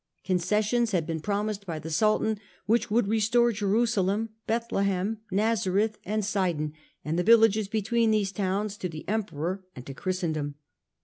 Concessions had been promised by the Sultan which would restore Jerusalem, Bethlehem, Nazareth and Sidon, and the villages between these towns, to the Emperor and to Christendom.